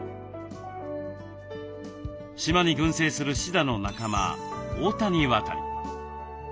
島に群生するシダの仲間オオタニワタリ。